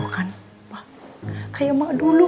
kayak emak dulu